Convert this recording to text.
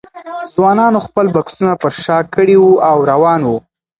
ځوانانو خپل بکسونه پر شا کړي وو او روان وو.